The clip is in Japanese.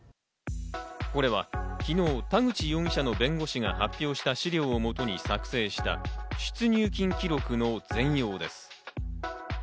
これは昨日、田口容疑者の弁護士が発表した資料を基に作成した出入金記録の全容です。